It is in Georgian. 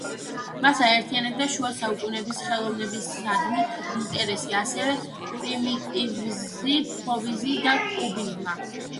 მათ აერთიანებდათ შუა საუკუნეების ხელოვნებისადმი ინტერესი, ასევე პრიმიტივიზმი, ფოვიზმი და კუბიზმი.